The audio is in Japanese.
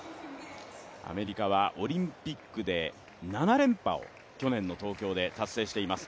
アメリカはオリンピックで７連覇を、去年の東京で達成しています。